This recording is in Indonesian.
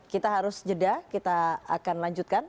kita harus jeda kita akan lanjutkan